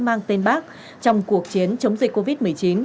mang tên bác trong cuộc chiến chống dịch covid một mươi chín